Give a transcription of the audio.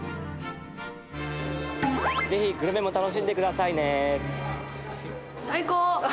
ぜひグルメも楽しんでくださいね。